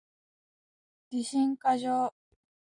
自信過剰